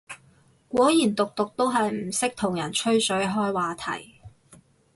果然毒毒都係唔識同人吹水開話題